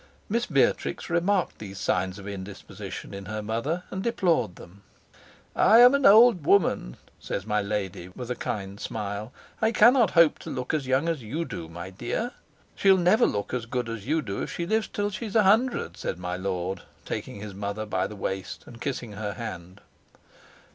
Miss Beatrix remarked these signs of indisposition in her mother and deplored them. "I am an old woman," says my lady, with a kind smile; "I cannot hope to look as young as you do, my dear." "She'll never look as good as you do if she lives till she's a hundred," says my lord, taking his mother by the waist, and kissing her hand.